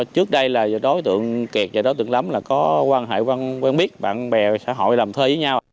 trước đây là đối tượng kiệt và đối tượng lắm có quan hệ quen biết bạn bè xã hội làm thuê với nhau